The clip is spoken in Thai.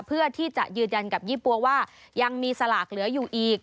เพื่อที่จะยืนยันกับยี่ปั๊วว่ายังมีสลากเหลืออยู่อีก